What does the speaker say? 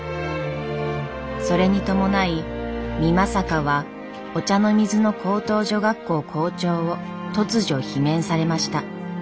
それに伴い美作は御茶ノ水の高等女学校校長を突如罷免されました。